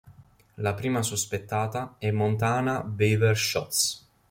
La prima sospettata è Montana Beaver-Shotz.